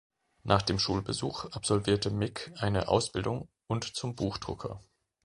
Nach dem Schulbesuch absolvierte Mick eine Ausbildung und zum Buchdrucker.